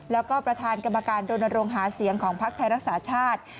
แล้วก็ประธานกรรมการรณรงค์หาเสียงของภักดิ์ไทยรักษาชาติ